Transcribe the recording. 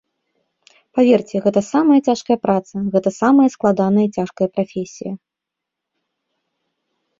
Паверце, гэта самая цяжкая праца, гэта самая складаная і цяжкая прафесія.